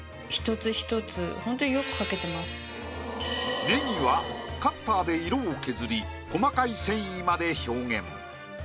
１つ１つほんとにネギはカッターで色を削り細かい繊維まで表現。